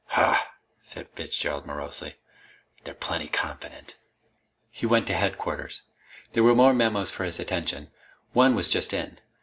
"Hah!" said Fitzgerald morosely. "They're plenty confident!" He went to Headquarters. There were more memos for his attention. One was just in.